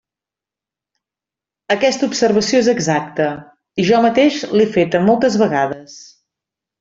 Aquesta observació és exacta, i jo mateix l'he feta moltes vegades.